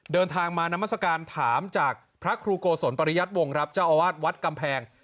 เดินทางมานามัศกาลถามจากพระครูโกศลปริยัติวงครับเจ้าอาวาสวัดกำแพง